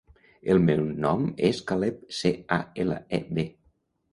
El meu nom és Caleb: ce, a, ela, e, be.